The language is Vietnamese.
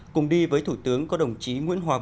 cùng đi với thủ tướng có đồng chí nguyễn xuân phúc